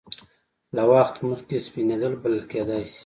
له وخت مخکې سپینېدل بلل کېدای شي.